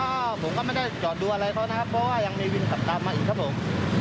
ก็ผมก็ไม่ได้จอดดูอะไรเขานะครับเพราะว่ายังมีวินขับตามมาอีกครับผม